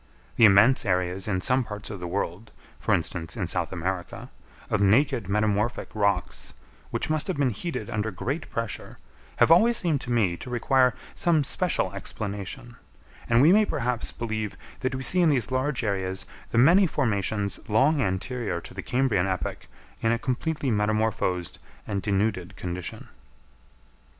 The immense areas in some parts of the world, for instance in South America, of naked metamorphic rocks, which must have been heated under great pressure, have always seemed to me to require some special explanation; and we may perhaps believe that we see in these large areas the many formations long anterior to the Cambrian epoch in a completely metamorphosed and denuded condition.